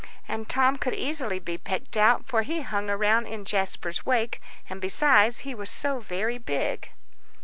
And Tom could easily be picked out, for he hung around in Jasper's wake, and besides, he was so very big.